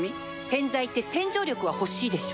洗剤って洗浄力は欲しいでしょ